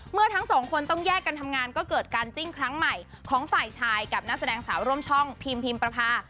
เมื่อทั้งสองคนต้องแยกกันทำงานก็เกิดการจิ้งครั้งใหม่ของฝ่ายชายกับนักแสดงสาวร่วมช่องพิมพิมประพา